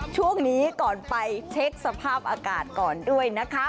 ช่วงนี้ก่อนไปเช็คสภาพอากาศก่อนด้วยนะคะ